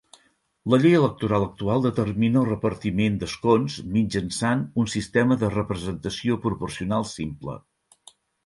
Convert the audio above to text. La llei electoral actual determina el repartiment d'escons mitjançant un sistema de representació proporcional simple.